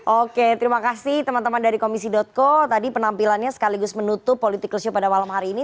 oke terima kasih teman teman dari komisi co tadi penampilannya sekaligus menutup political show pada malam hari ini